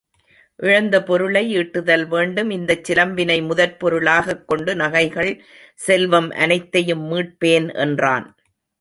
இழந்த பொருளை ஈட்டுதல் வேண்டும், இந்தச் சிலம்பினை முதற் பொருளாகக் கொண்டு நகைகள் செல்வம் அனைத்தையும் மீட்பேன் என்றான்.